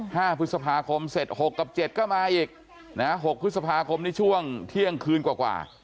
ห้าพฤษภาคมเสร็จหกกับเจ็ดก็มาอีกนะฮะหกพฤษภาคมนี้ช่วงเที่ยงคืนกว่ากว่า